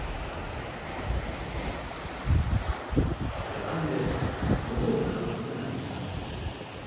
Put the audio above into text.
「お金で『物』を買うことができます。